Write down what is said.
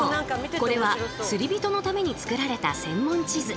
これは釣り人のために作られた専門地図。